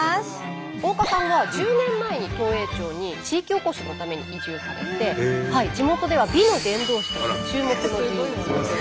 大岡さんは１０年前に東栄町に地域おこしのために移住されて地元では美の伝道師として注目の人物です。